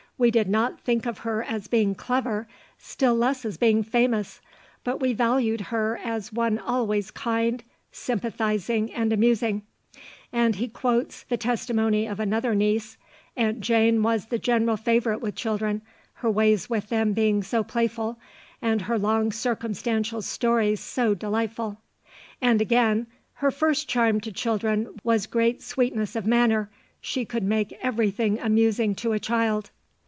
We did not think of her as being clever, still less as being famous; but we valued her as one always kind, sympathising, and amusing," and he quotes "the testimony of another niece—'Aunt Jane was the general favourite with children, her ways with them being so playful, and her long circumstantial stories so delightful.'" And again, "Her first charm to children was great sweetness of manner ... she could make everything amusing to a child."